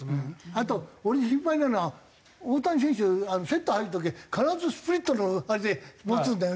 あと俺心配なのは大谷選手セット入る時必ずスプリットのあれで持つんだよね。